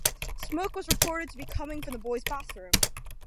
Smoke was reported to be coming from the boys' bathroom.